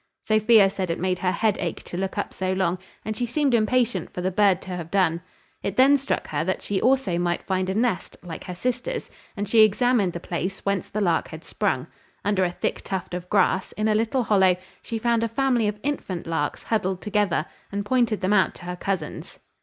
Sophia said it made her head ache to look up so long; and she seemed impatient for the bird to have done. It then struck her that she also might find a nest, like her sisters; and she examined the place whence the lark had sprung. Under a thick tuft of grass, in a little hollow, she found a family of infant larks huddled together, and pointed them out to her cousins.